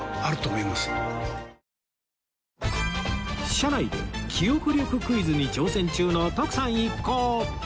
車内で記憶力クイズに挑戦中の徳さん一行